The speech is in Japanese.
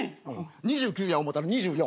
２９や思うたら２４。